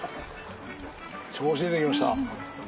調子出てきました。